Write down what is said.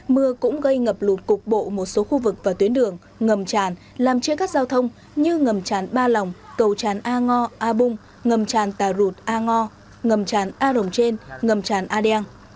mưa cũng gây ngập lụt cục bộ một số khu vực và tuyến đường ngầm tràn làm chia cắt giao thông như ngầm tràn ba lòng cầu tràn a ngo a bung ngầm tràn tà rụt a ngo ngầm tràn a rồng trên ngầm tràn a đen